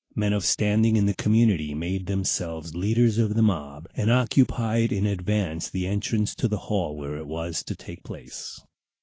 Men of standing in the community made themselves leaders of the mob, and occupied in advance the entrance to the hall where it was to take place.